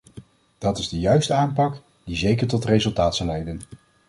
Dat is de juiste aanpak, die zeker tot resultaat zal leiden.